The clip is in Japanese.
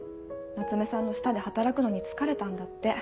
夏目さんの下で働くのに疲れたんだって。